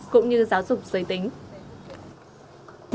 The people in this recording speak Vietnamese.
cũng như giáo dục giới tính